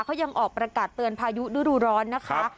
เขายังออกประกาศเตือนพายุฤดูร้อนนะคะ